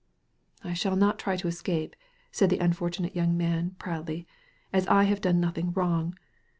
I shall not try to escape," said the unfortunate young man, proudly, ''as I have done nothing wrong.